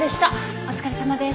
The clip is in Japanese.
お疲れさまです。